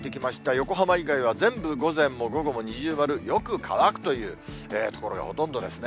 横浜以外は全部、午前も午後も二重丸、よく乾くという所がほとんどですね。